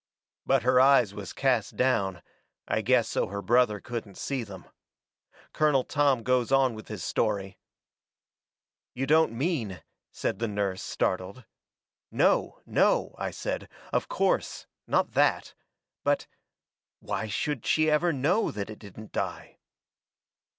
But her eyes was cast down, I guess so her brother couldn't see them. Colonel Tom goes on with his story: "'You don't mean ' said the nurse, startled. "'No! No!' I said, 'of course not that! But why should she ever know that it didn't die?'"